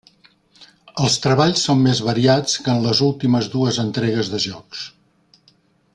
Els treballs són més variats que en les últimes dues entregues de jocs.